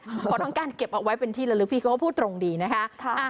เพราะทั้งการเก็บเอาไว้เป็นที่ละลึกพี่เขาก็พูดตรงดีนะคะ